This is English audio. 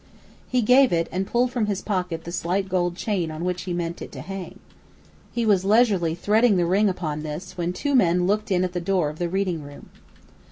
He gave it, and pulled from his pocket the slight gold chain on which he meant it to hang. He was leisurely threading the ring upon this when two men looked in at the door of the reading room.